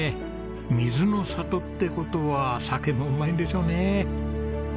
水の里って事は酒もうまいんでしょうね。